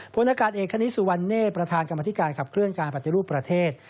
ผลอากาศเอกคณิตสุวรรณเนธประธานกรรมธิการขับเคลื่อนการปฏิรูปประเทศ